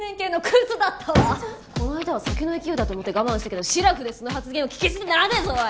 この間は酒の勢いだと思って我慢したけどシラフでその発言は聞き捨てならねえぞおい！